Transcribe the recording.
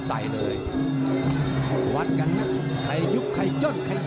นี่คือยอดมวยแท้รักที่ตรงนี้ครับ